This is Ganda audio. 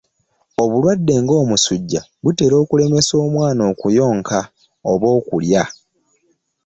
obulwadde ng'omusujja butera okulemesa omwana okuyonka oba okulya.